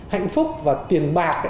hạnh phúc và tiền bạc